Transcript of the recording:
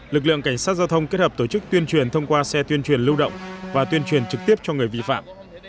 lực lượng cảnh sát giao thông kết hợp tổ chức tuyên truyền thông qua xe tuyên truyền lưu động và tuyên truyền trực tiếp cho người vi phạm